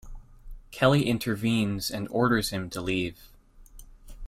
Kelly intervenes and orders him to leave.